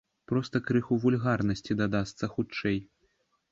Проста крыху вульгарнасці дадасца, хутчэй.